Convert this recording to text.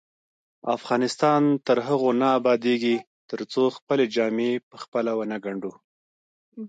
افغانستان تر هغو نه ابادیږي، ترڅو خپلې جامې پخپله ونه ګنډو.